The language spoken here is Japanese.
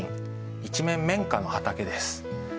一面綿花の畑です。